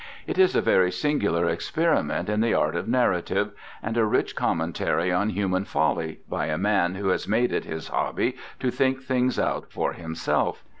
It is a very singular experiment in the art of narrative, and a rich commentary on human folly by a man who has made it his hobby to think things out for himself.